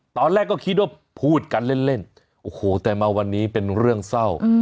ตอนแรกก็คิดว่าพูดกันเล่นโอ้โหแต่มาวันนี้เป็นเรื่องเศร้า